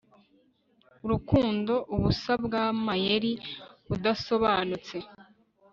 urukundo, ubusa bwamayeri adasobanutse